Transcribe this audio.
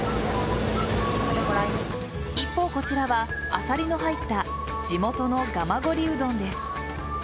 一方、こちらはアサリの入った地元のガマゴリうどんです。